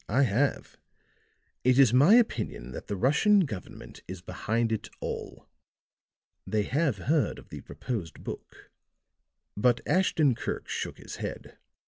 "I have. It is my opinion that the Russian government is behind it all. They have heard of the proposed book." But Ashton Kirk shook his head.